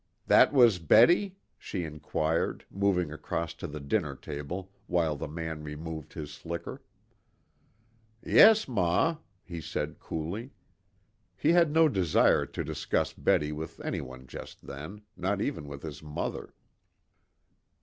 "That was Betty?" she inquired, moving across to the dinner table, while the man removed his slicker. "Yes, ma," he said coolly. He had no desire to discuss Betty with any one just then, not even with his mother.